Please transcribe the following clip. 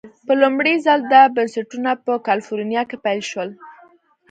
په لومړي ځل دا بنسټونه په کلفورنیا کې پیل شول.